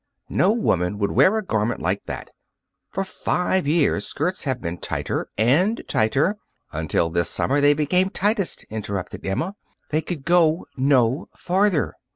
No woman would wear a garment like that! For five years skirts have been tighter and tighter " "Until this summer they became tightest," interrupted Emma. "They could go no farther.